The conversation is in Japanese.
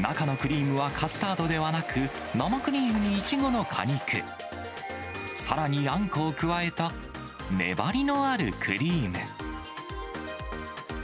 中のクリームはカスタードではなく、生クリームにイチゴの果肉、さらにあんこを加えた粘りのあるクリーム。